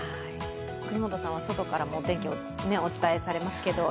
國本さんは外からもお天気をお伝えされますけど？